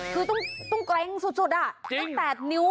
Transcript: คือต้องแกร้งสุดอ่ะ